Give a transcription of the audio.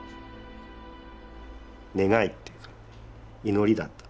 願いっていうか祈りだった。